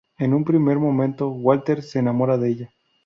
En un primer momento Walter se enamora de ella.